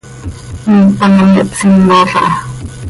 Miicp ano me hpsinol aha.